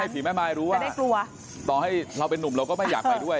ให้ผีแม่ไม้รู้ว่าต่อให้เราเป็นหนุ่มเราก็ไม่อยากไปด้วย